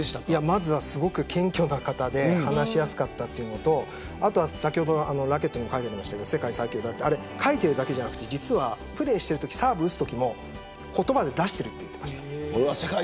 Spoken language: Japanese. まずは、すごく謙虚な方で話しやすかったというのとラケットに書いてありましたが世界最強だとあれ、書いているだけでなく実はプレーしているときサーブ打つときも言葉で出しているって言っていました。